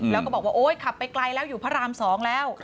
แล้วก็บอกว่าโอ๊ยขับไปไกลแล้วอยู่พระราม๒แล้ว